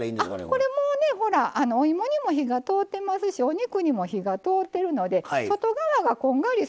これもうねほらお芋にも火が通ってますしお肉にも火が通ってるので外側がこんがりすれば